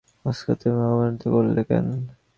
Oscar, তুমি অমনটা করলে কেন?